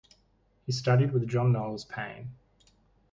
He studied with John Knowles Paine.